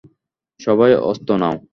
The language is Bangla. সবাই অস্ত্র নাও!